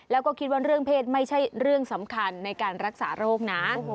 แล้วก็คิดว่าเรื่องเพศไม่ใช่เรื่องสำคัญในการรักษาโรคนะ